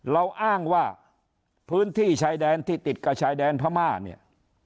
เราอ้างว่าพื้นที่ชายแดนที่ติดกับชายแดนพม่าเนี่ย